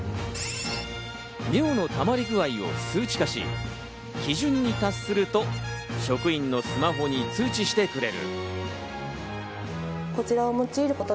尿のたまり具合を数値化し、基準に達すると職員のスマホに通知してくれる。